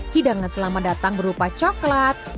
hidangan selamat datang berupa coklat